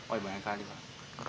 oh banyak kali pak